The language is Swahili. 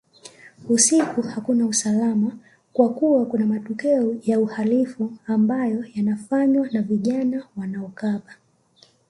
Usiku hakuna usalama kwa kuwa kuna matukio ya uhalifu ambayo yanafanywa na vijana wanaokaba